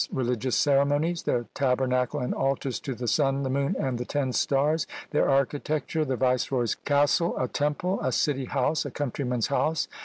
religious ceremonies! their tabernacle and altars to the sun, the moon, and the ten stars! their architecture! the viceroy's castle! a temple! a city house! a countryman's house!